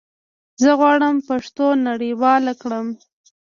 زه غواړم پښتو نړيواله کړم